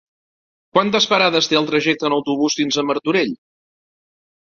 Quantes parades té el trajecte en autobús fins a Martorell?